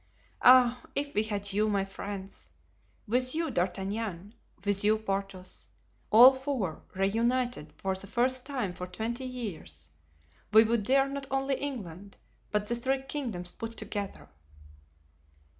Ah! if we had you, my friends! With you, D'Artagnan, with you, Porthos—all four reunited for the first time for twenty years—we would dare not only England, but the three kingdoms put together!"